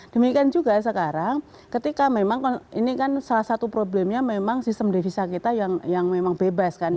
demikian juga sekarang ketika memang ini kan salah satu problemnya memang sistem devisa kita yang memang bebas kan